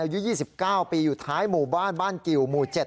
อายุ๒๙ปีอยู่ท้ายหมู่บ้านบ้านกิวหมู่๗